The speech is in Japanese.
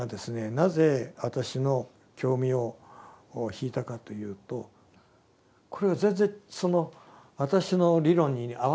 なぜ私の興味を引いたかというとこれは全然その私の理論に合わない。